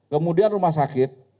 kemudian rumah sakit